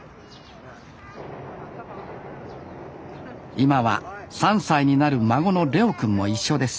今は３歳になる孫の怜央くんも一緒です